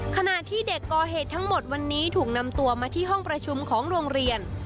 ขณะที่เด็กก่อเหตุทั้งหมดวันนี้ถูกนำตัวมาที่ห้องประชุมของโรงเรียน